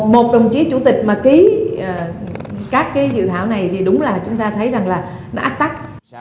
một đồng chí chủ tịch mà ký các cái dự thảo này thì đúng là chúng ta thấy rằng là nó ách tắc